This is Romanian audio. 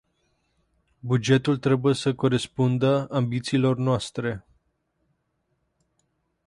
Bugetul trebuie să corespundă ambițiilor noastre.